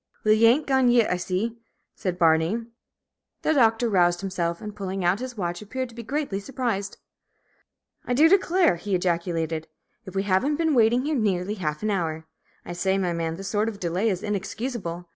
"Will, ye ain't gone yit, I see?" said Barney. The Doctor roused himself, and pulling out his watch, appeared to be greatly surprised. "I do declare," he ejaculated, "if we haven't been waiting here nearly half an hour! I say, my man, this sort of delay is inexcusable.